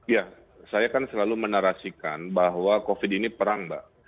ya saya kan selalu menarasikan bahwa covid ini perang mbak